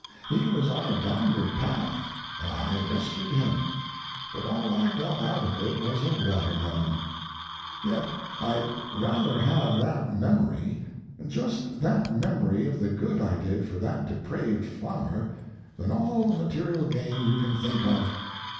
He was on a downward path, and I rescued him. But all I got out of it was a watermelon. Yet I'd rather have that memory—just that memory of the good I did for that depraved farmer—than all the material gain you can think of.